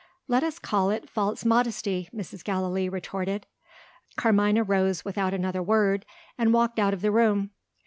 "Let us call it false modesty," Mrs. Gallilee retorted. Carmina rose without another word and walked out of the room.